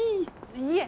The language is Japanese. いえ。